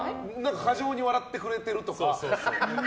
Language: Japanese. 過剰に笑ってくれてるとか。